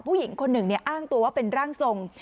ผู้หญิงอ้างตัวว่าเป็นร่างทรง